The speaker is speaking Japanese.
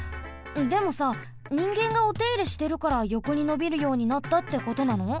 でもさにんげんがおていれしてるからよこにのびるようになったってことなの？